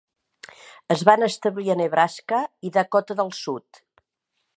Es van establir a Nebraska i Dakota del Sud.